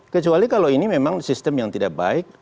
kecuali kalau ini memang sistem yang tidak baik